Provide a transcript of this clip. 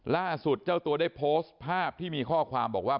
ล่าสุดเจ้าตัวได้โพสต์ภาพที่มีข้อความบอกว่า